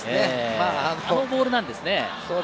このボールなんですね。